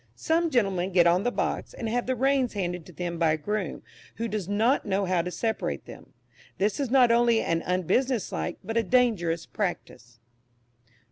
Some gentlemen get on the box and have the reins handed to them by a groom, who does not know how to separate them; this is not only an unbusiness like, but a dangerous practice.